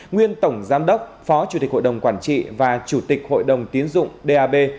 nguyên tổng giám đốc phó chủ tịch hội đồng quản trị và chủ tịch hội đồng tiến dụng dap